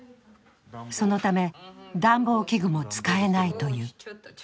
そのため、暖房器具も使えないという。